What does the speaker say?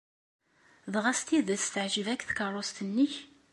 Dɣa s tidet teɛjeb-ak tkeṛṛust-nnek?